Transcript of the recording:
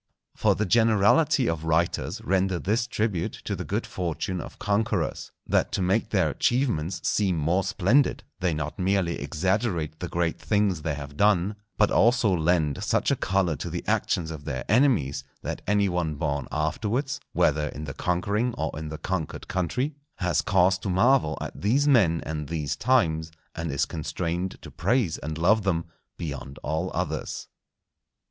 For the generality of writers render this tribute to the good fortune of conquerors, that to make their achievements seem more splendid, they not merely exaggerate the great things they have done, but also lend such a colour to the actions of their enemies, that any one born afterwards, whether in the conquering or in the conquered country, has cause to marvel at these men and these times, and is constrained to praise and love them beyond all others.